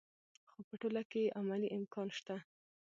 خو په ټوله کې یې عملي امکان شته.